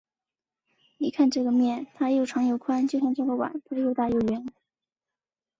你看这个面，它又长又宽，就像这个碗，它又大又圆。